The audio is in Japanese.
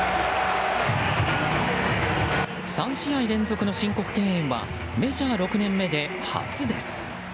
３試合連続の申告敬遠はメジャー６年目で初です。